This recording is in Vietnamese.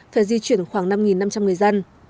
phải di chuyển khoảng năm năm trăm linh người dân